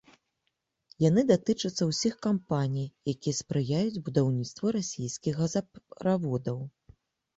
Яны датычацца ўсіх кампаній, якія спрыяюць будаўніцтву расійскіх газаправодаў.